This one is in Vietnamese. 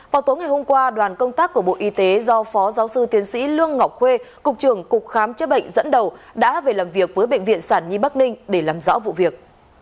vào tối ngày hôm qua đoàn công tác của bộ y tế do phó giáo sư tiến sĩ lương ngọc khuê cục trưởng cục khám chữa bệnh dẫn đầu đã về làm việc với bệnh viện sản nhi bắc ninh để làm rõ vụ việc